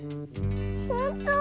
ほんと？